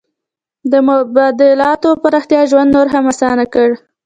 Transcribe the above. د مبادلاتو پراختیا ژوند نور هم اسانه کړ.